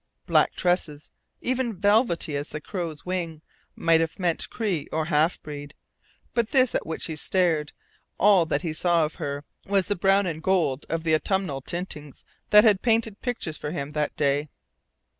Black tresses, even velvety as the crow's wing, might have meant Cree or half breed. But this at which he stared all that he saw of her was the brown and gold of the autumnal tintings that had painted pictures for him that day.